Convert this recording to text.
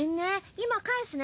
今返すね。